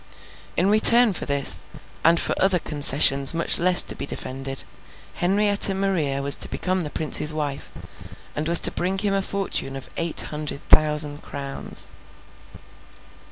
In return for this, and for other concessions much less to be defended, Henrietta Maria was to become the Prince's wife, and was to bring him a fortune of eight hundred thousand crowns.